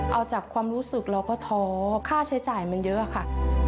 เอาจากความรู้สึกเราก็ท้อค่าใช้จ่ายมันเยอะค่ะ